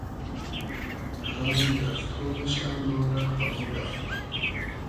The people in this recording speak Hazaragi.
رایی رئفتۉ بئشۂ ما رۂ قئبولۂ